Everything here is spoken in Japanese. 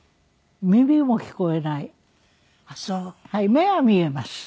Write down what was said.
目は見えます。